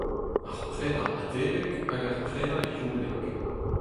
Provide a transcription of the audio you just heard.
Ar prenañ atebek hag ar prenañ youlek.